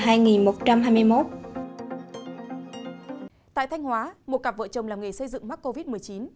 tại thanh hóa một cặp vợ chồng làm nghề xây dựng mắc covid một mươi chín